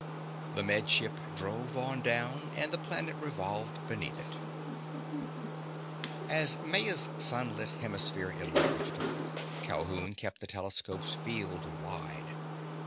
The Med Ship drove on down, and the planet revolved beneath it. As Maya's sunlit hemisphere enlarged, Calhoun kept the telescope's field wide.